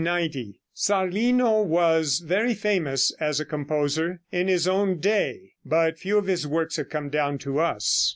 Zarlino was very famous as a composer, in his own day, but few of his works have come down to us.